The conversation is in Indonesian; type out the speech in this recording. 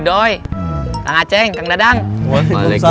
sampai jumpa lagi